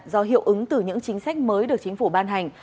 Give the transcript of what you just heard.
do hiệu ứng từ những chính sách mới được chính phủ ban hành